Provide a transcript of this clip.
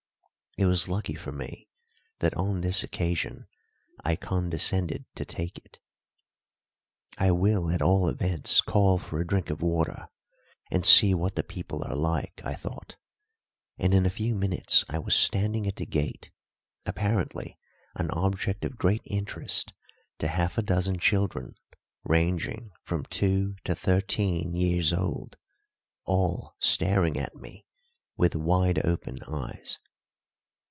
It was lucky for me that on this occasion I condescended to take it. "I will, at all events, call for a drink of water and see what the people are like," I thought, and in a few minutes I was standing at the gate, apparently an object of great interest to half a dozen children ranging from two to thirteen years old, all staring at me with wide open eyes.